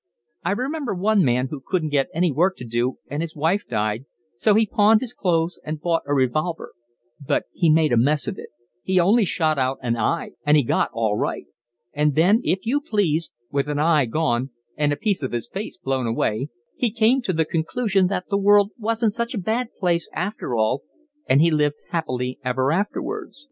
I remember one man who couldn't get any work to do and his wife died, so he pawned his clothes and bought a revolver; but he made a mess of it, he only shot out an eye and he got all right. And then, if you please, with an eye gone and a piece of his face blow away, he came to the conclusion that the world wasn't such a bad place after all, and he lived happily ever afterwards.